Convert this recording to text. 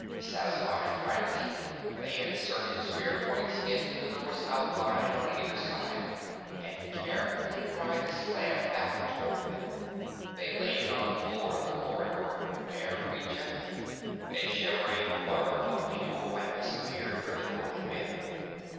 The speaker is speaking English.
Satisfied, finally, they inserted spear points into the door's outline on either side and carefully pried the slab back toward them. They laid it on the floor of the corridor, very gently. A shimmering blur of pure whiteness appeared where the door had been.